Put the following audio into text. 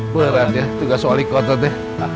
berat ya tugas wali kototnya